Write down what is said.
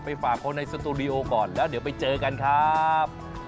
ฝากคนในสตูดิโอก่อนแล้วเดี๋ยวไปเจอกันครับ